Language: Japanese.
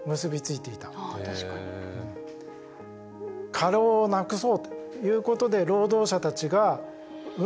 過労をなくそうということで労働者たちが運動を始めました。